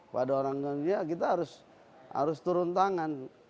pada orang dengan gangguan jiwa kita harus turun tangan